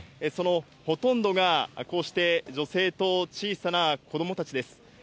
そのほとんどが、こうして女性と小さな子どもたちです。